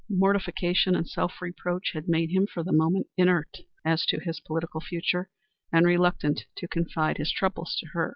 Mortification and self reproach had made him for the moment inert as to his political future, and reluctant to confide his troubles to her.